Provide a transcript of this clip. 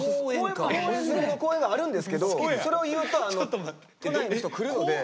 オススメの公園があるんですけどそれを言うと都内の人来るので。